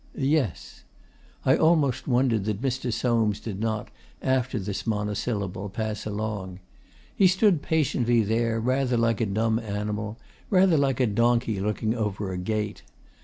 'Yes.' I almost wondered that Mr. Soames did not, after this monosyllable, pass along. He stood patiently there, rather like a dumb animal, rather like a donkey looking over a gate.